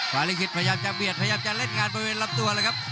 ลิขิตพยายามจะเบียดพยายามจะเล่นงานบริเวณลำตัวเลยครับ